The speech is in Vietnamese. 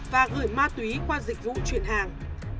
và gửi ma túy qua dịch vụ chuyển hàng